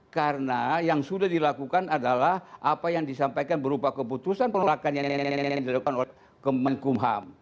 karena yang sudah dilakukan adalah apa yang disampaikan berupa keputusan pengelakannya yang dilakukan oleh kemenkumham